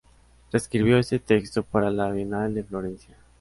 Reescribió este texto para la Bienal de Florencia.